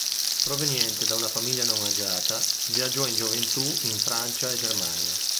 Proveniente da una famiglia non agiata, viaggiò in gioventù in Francia e Germania.